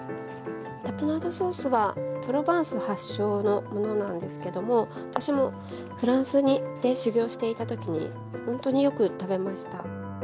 タプナードソースはプロヴァンス発祥のものなんですけども私もフランスで修業していた時にほんとによく食べました。